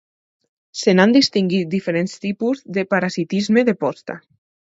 Se n'han distingit diferents tipus de parasitisme de posta.